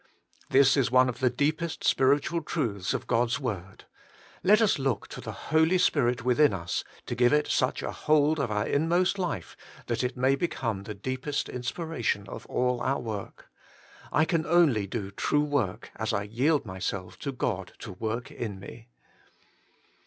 This is one of the deepest spiritual truths of God's word; let us look to the Holy Spirit within us to give it such a hold of our in most life, that it may become the deepest inspiration of all our work. I can only do true work as I yield myself to God to work in me.